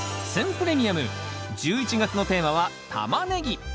プレミアム１１月のテーマは「タマネギ」。